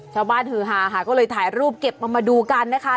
ชาวบ้านหือฮาก็เลยถ่ายรูปเก็บมาดูกันนะคะ